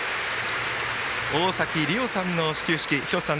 大崎理央さんの始球式廣瀬さん